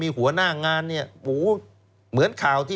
มีหัวหน้างานเหมือนข่าวที่